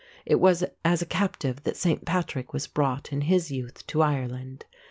It was as a captive that Saint Patrick was brought in his youth to Ireland.